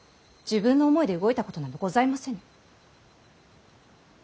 自分の思いで動いたことなどございませぬ。